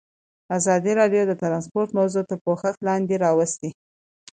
ازادي راډیو د ترانسپورټ موضوع تر پوښښ لاندې راوستې.